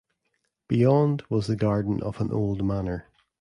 Beyond was the garden of an old manor.